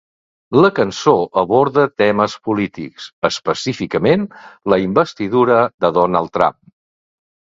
La cançó aborda temes polítics, específicament la investidura de Donald Trump.